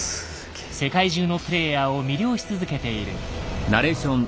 世界中のプレイヤーを魅了し続けている。